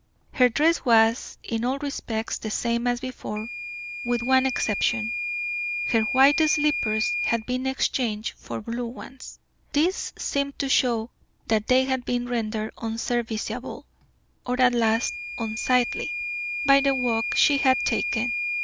Her dress was, in all respects, the same as before, with one exception her white slippers had been exchanged for blue ones. This seemed to show that they had been rendered unserviceable, or at least unsightly, by the walk she had taken.